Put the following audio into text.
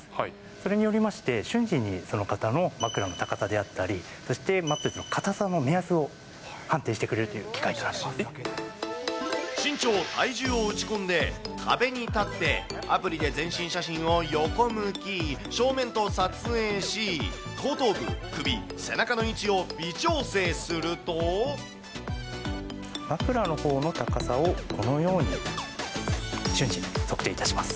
それによりまして、瞬時にその方の枕の高さであったり、そしてマットレスの硬さの目安を判定してくれるという機械となり身長、体重を打ち込んで、壁に立って、アプリで全身写真を横向き、正面と撮影し、後頭部、枕のほうの高さをこのように、瞬時に測定いたします。